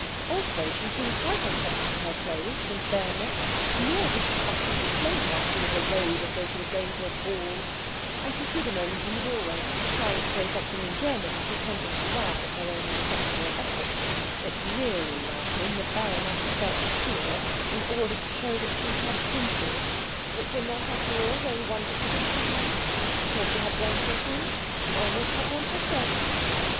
Also she seemed quite unconscious of her clothes and bare neck, nor did she offer to explain why she was arrayed as though she were going to a ball; and she stood a moment in the doorway trying to say something in German and pretending to laugh at her own ineffectual efforts, but really laughing, the baroness felt sure, in order to show that she had dimples; which were not, after all, very wonderful things to have before she had grown so thin she almost had one herself.